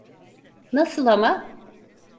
Nasıl ama?